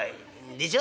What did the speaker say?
「でしょ？